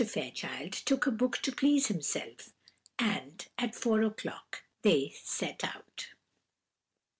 Fairchild took a book to please himself; and at four o'clock they set out.